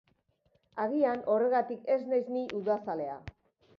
Agian horregatik ez naiz ni udazalea.